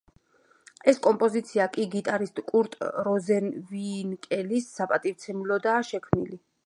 ეს კომპოზიცია კი გიტარისტ კურტ როზენვინკელის საპატივცემლოდაა შექმნილი.